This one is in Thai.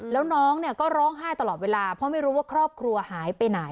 แล้วน้องเนี่ยก็ร้องไห้ตลอดเวลาเพราะไม่รู้ว่าครอบครัวหายไปไหน